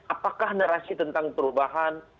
apakah narasi tentang perubahan